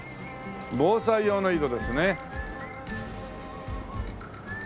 防災用の井戸ですね。